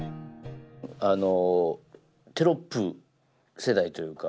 あのテロップ世代というか。